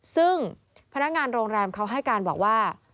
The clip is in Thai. ซึ่งพนักงานโรงแรมเขาให้การบอกว่า